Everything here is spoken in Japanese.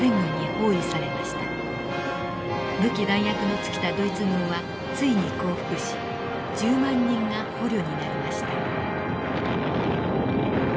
武器弾薬の尽きたドイツ軍はついに降伏し１０万人が捕虜になりました。